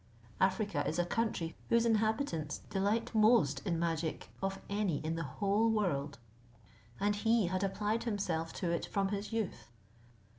Africa is a country whose inhabitants delight most in magic of any in the whole world, and he had applied himself to it from his youth.